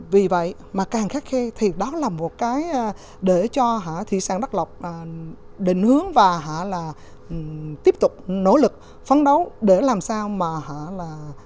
vì vậy mà càng khắc khe thì đó là một cái để cho thủy sản đắc lộc định hướng và họ là tiếp tục nỗ lực phấn đấu để làm sao mà họ là